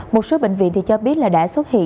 một số bệnh viện cho biết đã xuất hiện